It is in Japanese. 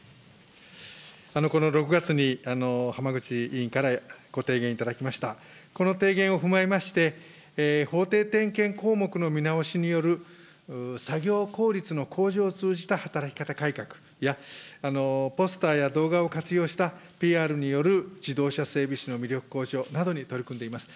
この６月に浜口委員からご提言いただきました、この提言を踏まえまして、法定点検項目の見直しによる作業効率の向上を通じた働き方改革や、ポスターや動画を活用したＰＲによる自動車整備士の魅力向上などに取り組んでいます。